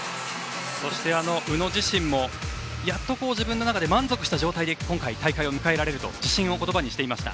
そして宇野自身もやっと自分の中で満足した状態で今大会を迎えられると自信を言葉にしていました。